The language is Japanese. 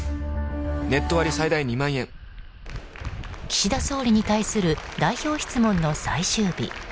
岸田総理に対する代表質問の最終日。